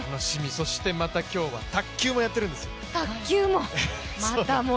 そしてまた今日、卓球もやってるんですよ。